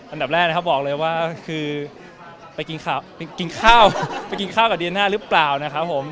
อันดับแรกนะครับบอกเลยว่าคือไปกินข้าวไปกินข้าวกับเดียน่าหรือเปล่านะครับผม